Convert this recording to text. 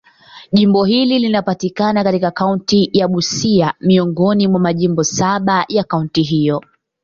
Jimbo hili linapatikana katika kaunti ya Busia, miongoni mwa majimbo saba ya kaunti hiyo.